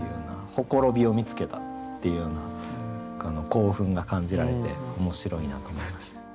綻びを見つけたっていうような興奮が感じられて面白いなと思いました。